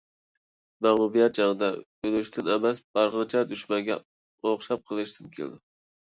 مەغلۇبىيەت جەڭدە ئۆلۈشتىن ئەمەس، بارغانچە دۈشمەنگە ئوخشاپ قېلىشتىن كېلىدۇ.